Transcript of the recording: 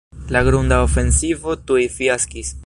La grunda ofensivo tuj fiaskis.